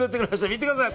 見てください。